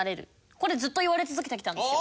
これずっと言われ続けてきたんですよ。